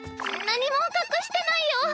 何も隠してないよ。